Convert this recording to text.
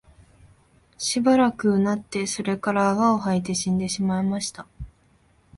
しばらく吠って、それから泡を吐いて死んでしまいました